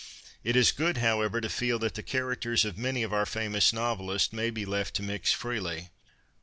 It is good, however, to feel that the characters of many of our famous novelists may be left to mix freely.